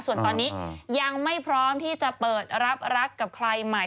ส่วนตอนนี้ยังไม่พร้อมที่จะเปิดรับรักกับใครใหม่